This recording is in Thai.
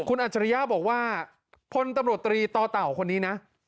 คุณอัจฉริยะบอกว่าพลตำรวจตรีต่อเต่าคนนี้นะ